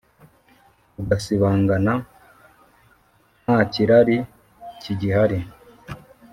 Rugasibangana ntakirari kigihari